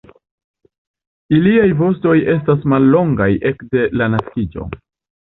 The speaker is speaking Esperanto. Iliaj vostoj estas mallongaj ekde la naskiĝo.